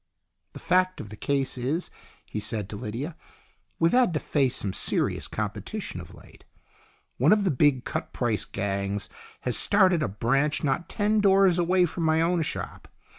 "The fact of the case is," he said to Lydia, "we've had to face some serious competition of late. One of the big cut price gangs has started a branch not ten doors away from my own shop.